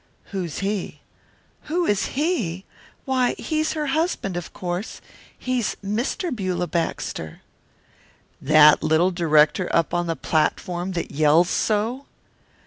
"Who is he?" "Who is he? Why, he's her husband, of course he's Mr. Beulah Baxter." "That little director up on the platform that yells so?"